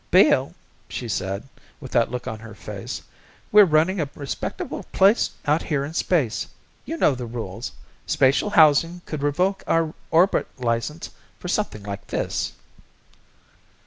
"Bill," she said, with that look on her face, "we're running a respectable place out here in space. You know the rules. Spatial Housing could revoke our orbit license for something like this."